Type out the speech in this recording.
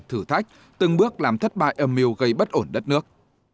thử thách từng bước làm thất bại âm mưu gây bất ổn đất nước